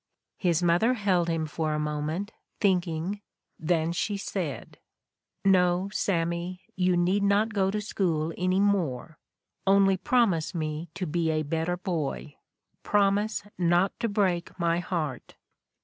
His mother held him for a moment, thinking, then she said : 'No, Sammy, you need not go to school any more. Only promise me to be a better boy. Promise not to break my heart.'